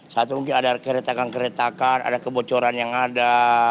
satu mungkin ada keretakan keretakan ada kebocoran yang ada